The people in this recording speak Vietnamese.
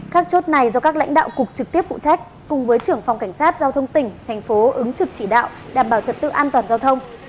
các chốt này do các lãnh đạo cục trực tiếp phụ trách cùng với trưởng phòng cảnh sát giao thông tỉnh thành phố ứng trực chỉ đạo đảm bảo trật tự an toàn giao thông